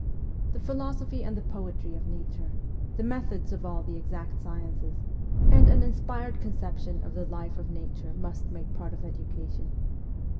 The philosophy and the poetry of nature, the methods of all the exact sciences, and an inspired conception of the life of nature must make part of education.